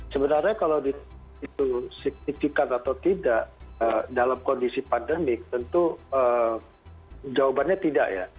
sebenarnya kalau itu signifikan atau tidak dalam kondisi pandemik tentu jawabannya tidak ya